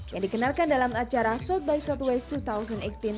yang dikenalkan dalam acara south by shotways dua ribu delapan belas